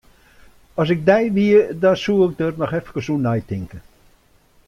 As ik dy wie, dan soe ik der noch efkes oer neitinke.